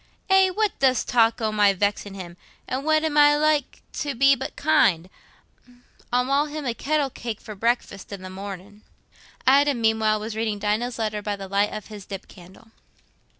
"Eh, what dost talk o' my vexin' him? An' what am I like to be but kind? I'll ma' him a kettle cake for breakfast i' the mornin'." Adam, meanwhile, was reading Dinah's letter by the light of his dip candle.